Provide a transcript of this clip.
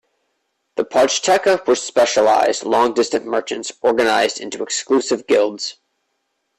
The pochteca were specialized long distance merchants organized into exclusive guilds.